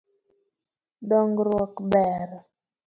Dongruok ber.